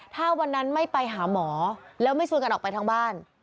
ถ้าวันนั้นไม่ไปหาหมอแล้วไม่ชวนกันออกไปทั้งบ้าน